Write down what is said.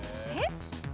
えっ？